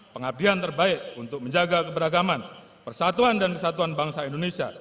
pengabdian terbaik untuk menjaga keberagaman persatuan dan kesatuan bangsa indonesia